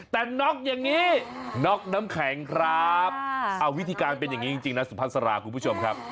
แต่น็อกอย่างนี้น็อกน้ำแข็งครับเอาวิธีการเป็นอย่างนี้จริงนะสุภาษาราคุณผู้ชมครับ